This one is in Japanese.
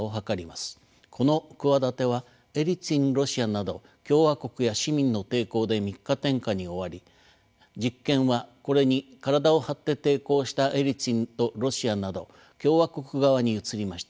この企てはエリツィン・ロシアなど共和国や市民の抵抗で三日天下に終わり実権はこれに体を張って抵抗したエリツィンとロシアなど共和国側に移りました。